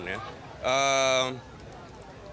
kalau kita mengikuti semua ketentuan